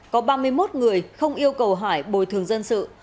có ba mươi một người không yêu cầu hải bồi thường dân sự